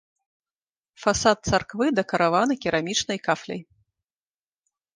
Фасад царквы дэкараваны керамічнай кафляй.